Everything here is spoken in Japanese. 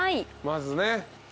まずね。